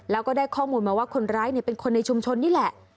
แล้วก็ได้ข้อมูลมาว่าคนร้ายเป็นคนในชุมชนนี่แหละ